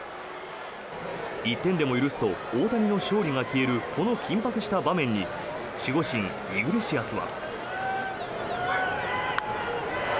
１点でも許すと大谷の勝利が消えるこの緊迫した場面に守護神、イグレシアスは。